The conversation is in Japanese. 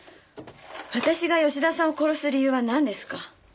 私が吉田さんを殺す理由はなんですか？